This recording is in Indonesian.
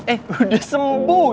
eh udah sembuh